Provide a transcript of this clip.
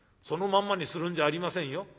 そのまんまにするんじゃありませんよ。